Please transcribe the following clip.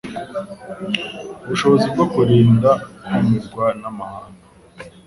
ubushobozi bwo kwirinda kumirwa n'amahanga,